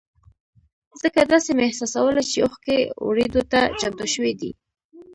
ځکه داسې مې احساسوله چې اوښکې ورېدو ته چمتو شوې دي.